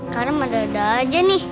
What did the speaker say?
kadang madu dadi aja nih